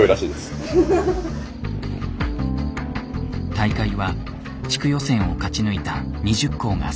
大会は地区予選を勝ち抜いた２０校が参加。